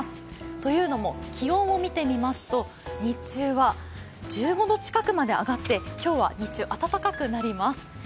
というのも、気温を見てみますと日中は１５度近くまで上がって今日は日中、暖かくなります。